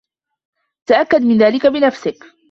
تأكّد من ذلك بنفسك.